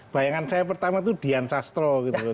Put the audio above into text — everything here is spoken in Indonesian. bayangan saya pertama itu dian castro